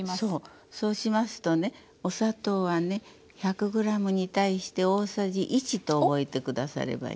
そうしますとねお砂糖はね１００ｇに対して大さじ１と覚えて下さればいいの。